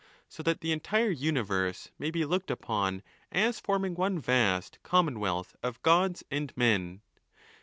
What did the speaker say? So that the entire universe may be looked upon as forming one vast commonwealth of gods and men.